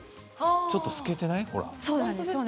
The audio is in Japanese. ちょっと透けていない？